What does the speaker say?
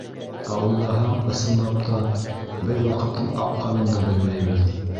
Ә уйлаһаң, ысынлап та, беҙ ваҡыттың аҡҡанын да белмәйбеҙ.